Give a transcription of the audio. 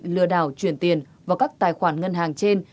lừa đảo chuyển tiền vào các tài khoản ngân hàng trên